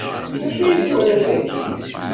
D acu ay twala sakkin?